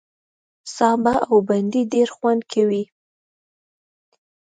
سابه او بېنډۍ ډېر خوند کوي